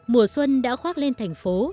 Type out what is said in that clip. mùa xuân đã khoác lên thành phố